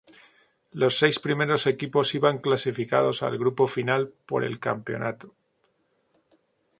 Los seis primeros equipos iban clasificados al grupo final por el campeonato.